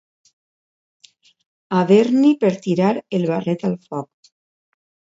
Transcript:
Haver-n'hi per tirar el barret al foc.